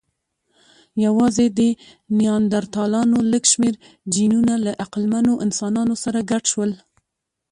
یواځې د نیاندرتالانو لږ شمېر جینونه له عقلمنو انسانانو سره ګډ شول.